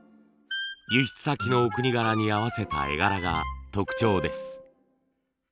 輸出先のお国柄に合わせた絵柄が特徴です。